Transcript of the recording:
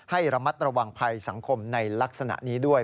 ให้ระมัดระวังภัยสังคมในลักษณะนี้ด้วย